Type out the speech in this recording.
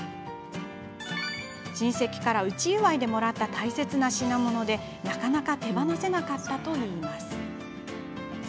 親戚から内祝いでもらった大切な品物で、なかなか手放せなかったといいます。